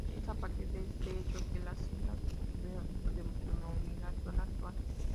Es a partir de este hecho que las islas obtuvieron su denominación actual.